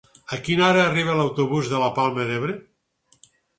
A quina hora arriba l'autobús de la Palma d'Ebre?